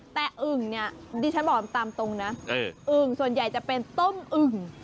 แต่อึ่งเนี่ยดิฉันบอกตามตรงนะอึ่งส่วนใหญ่จะเป็นต้มอึ่ง